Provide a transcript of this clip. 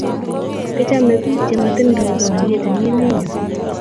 Tkichame pik che matindo bariyet en emet nyon